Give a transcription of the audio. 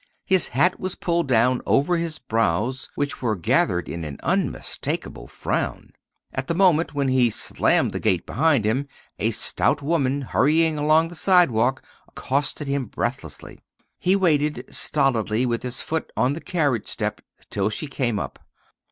His hat was pulled down over his brows, which were gathered in an unmistakable frown. At the moment when he slammed the gate behind him, a stout woman hurrying along the sidewalk accosted him breathlessly. He waited stolidly with his foot on the carriage step till she came up.